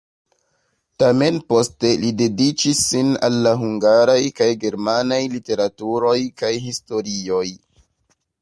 Tamen poste li dediĉis sin al la hungaraj kaj germanaj literaturoj kaj historioj.